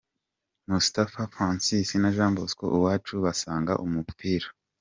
Moustapha Frnacis na Jean Bosco Uwacu basanga umupira.